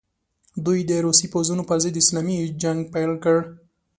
دوی د روسي پوځونو پر ضد اسلامي جنګ پیل کړي.